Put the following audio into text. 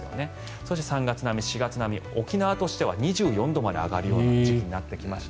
そして３月並み、４月並み沖縄としては２４度まで上がる季節になってきました。